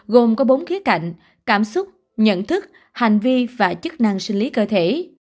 gồm có bốn khía cạnh cảm xúc nhận thức hành vi và chức năng sinh lý cơ thể